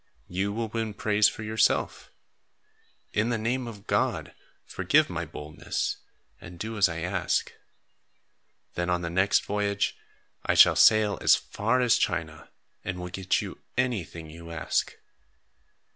You will win praise for yourself. In the name of God, forgive my boldness, and do as I ask. Then, on the next voyage, I shall sail as far as China and will get you anything you ask!"